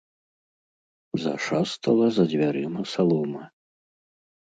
Зашастала за дзвярыма салома.